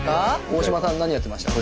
大島さん何やってました？